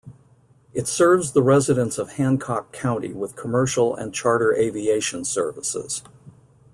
It serves the residents of Hancock County with commercial and charter aviation services.